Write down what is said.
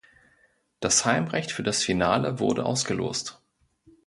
Das Heimrecht für das Finale wurde ausgelost.